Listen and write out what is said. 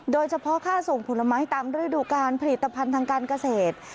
โดยเฉพาะค่าส่งผลไม้ตามฤดูการผลิตภัณฑ์ทางการเกษตร